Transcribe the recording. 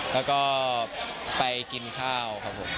แล้วก็ไปกินข้าวครับผม